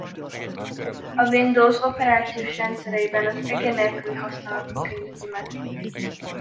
A Windows operációs rendszereiben az egér nélküli használatot könnyíti meg.